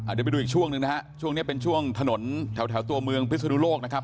เดี๋ยวไปดูอีกช่วงหนึ่งนะฮะช่วงนี้เป็นช่วงถนนแถวตัวเมืองพิศนุโลกนะครับ